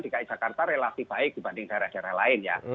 dki jakarta relatif baik dibanding daerah daerah lain ya